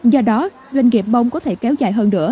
do đó doanh nghiệp mong có thể kéo dài hơn nữa